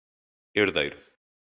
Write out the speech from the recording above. herdeiro